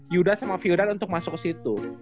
yuda sama fiodan untuk masuk ke situ